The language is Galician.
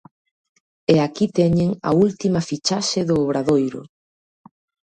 E aquí teñen a última fichaxe do Obradoiro.